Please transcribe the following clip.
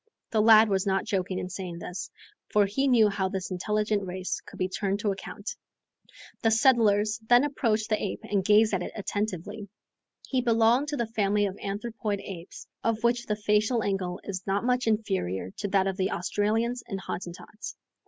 The lad was not joking in saying this, for he knew how this intelligent race could be turned to account. The settlers then approached the ape and gazed at it attentively. He belonged to the family of anthropoid apes, of which the facial angle is not much inferior to that of the Australians and Hottentots.